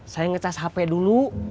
saya ngecas hp dulu